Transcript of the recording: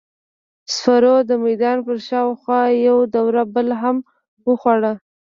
سپرو د میدان پر شاوخوا یو دور بل هم وخوړ.